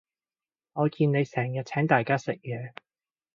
我見你成日請大家食嘢